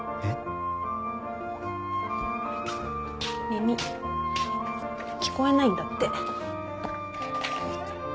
耳聞こえないんだって。